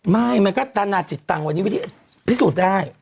ไม่มันก็ตานาจิตตังวะที่พิสูจน์ได้